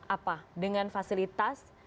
apa dengan fasilitas